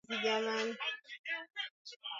Ukweli wa kushangaza ni kwamba Biblia hufundisha